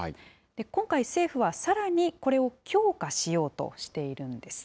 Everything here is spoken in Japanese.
今回、政府はさらにこれを強化しようとしているんです。